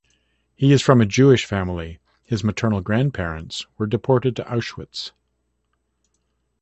He is from a Jewish family; his maternal grandparents were deported to Auschwitz.